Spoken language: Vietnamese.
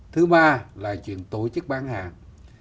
thứ ba là chuyện tổ chức bán hàng